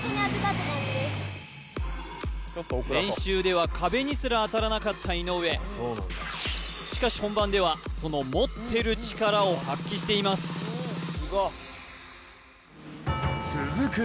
練習では壁にすら当たらなかった井上しかし本番ではその持ってる力を発揮しています続く